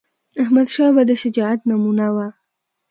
احمدشاه بابا د شجاعت نمونه وه..